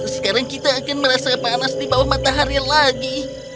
sekarang kita akan merasa panas di bawah matahari lagi